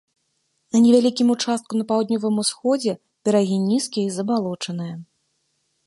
На невялікім участку на паўднёвым усходзе берагі нізкія і забалочаныя.